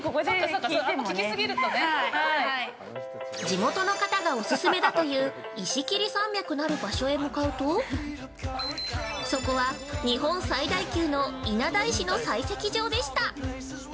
地元の方がおすすめだという「石切山脈」なる場所へ向かうと、そこは、日本最大級の稲田石の採石場でした！